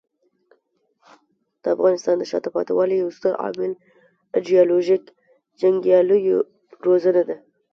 د افغانستان د شاته پاتې والي یو ستر عامل ایډیالوژیک جنګیالیو روزنه ده.